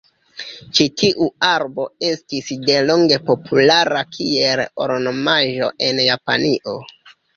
Ĉi tiu arbo estis delonge populara kiel ornamaĵo en Japanio.